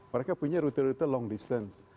mereka punya rute rute long distance